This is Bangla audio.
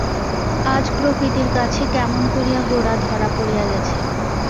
আজ প্রকৃতির কাছে কেমন করিয়া গোরা ধরা পড়িয়া গেছে।